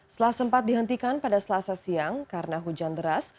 setelah sempat dihentikan pada selasa siang karena hujan deras